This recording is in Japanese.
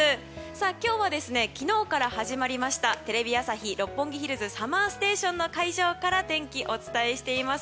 今日は昨日から始まりました「テレビ朝日・六本木ヒルズＳＵＭＭＥＲＳＴＡＴＩＯＮ」会場から天気、お伝えしています。